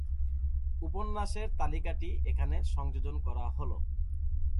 উপন্যাসের তালিকাটি এখানে সংযোজন করা হল।